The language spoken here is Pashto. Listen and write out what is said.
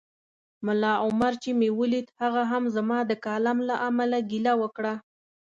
ملا عمر چي مې ولید هغه هم زما د کالم له امله ګیله وکړه